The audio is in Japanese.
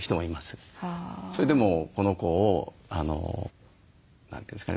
それでもこの子を何て言うんですかね